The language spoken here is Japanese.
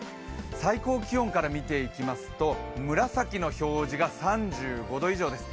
最高気温から見ていきますと紫の表示が３５度以上です。